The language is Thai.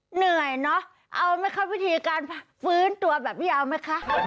เหนื่อยเนอะเอาไม่เข้าพิธีการฟื้นตัวแบบนี้เอาไหมคะ